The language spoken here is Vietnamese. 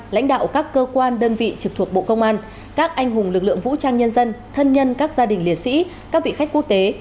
lãnh đạo các cơ quan đơn vị trực thuộc bộ công an các anh hùng lực lượng vũ trang nhân dân thân nhân các gia đình liệt sĩ các vị khách quốc tế